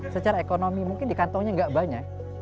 secara ekonomi mungkin di kantongnya nggak banyak